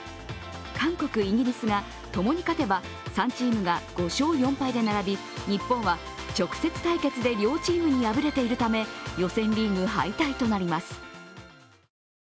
韓国、イギリスがともに勝てば３チームが５勝４敗で並び日本は直接対決で両チームに敗れているため予選リーグ敗退となります。